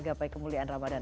gapai kemuliaan ramadhan